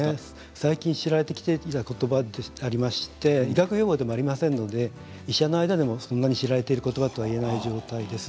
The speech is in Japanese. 最近知られてきたことばでありまして医学用語でもありませんので医者の間でもそんなに知られていることばといえない状態です。